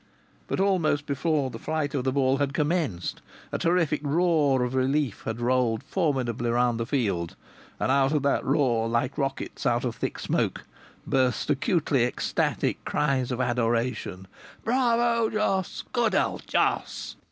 But almost before the flight of the ball had commenced, a terrific roar of relief had rolled formidably round the field, and out of that roar, like rockets out of thick smoke, burst acutely ecstatic cries of adoration: "Bravo, Jos!" "Good old Jos!"